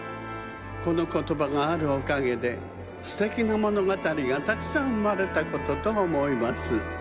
このことばがあるおかげですてきなものがたりがたくさんうまれたこととおもいます。